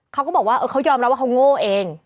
เขาก็บอกว่าเขายอมรับว่าเขาโง่เอง